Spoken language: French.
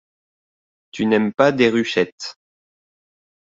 Tu n’aimes pas Déruchette!